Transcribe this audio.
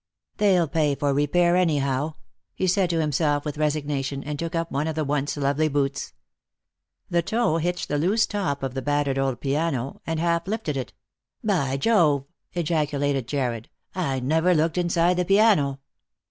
" They'll pay for repair anyhow," he said to himself with, resignation, and took up one of the once lovely boots. The toe hitched the loose top of the battered old piano, and half lifted it. " By Jove !" ejaculated Jarred, " I never looked inside the piano."